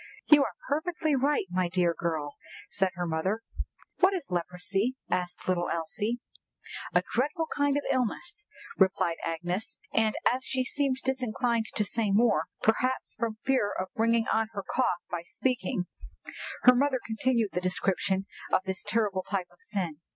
"You are perfectly right, my dear girl," said her mother. "What is leprosy?" asked little Elsie "A dreadful kind of illness," replied Agnes; and as she seemed disinclined to say more, perhaps from fear of bringing on her cough by speaking, her mother continued the description of this terrible type of sin.